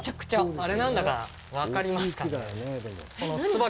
あれ、何だか分かりますかね。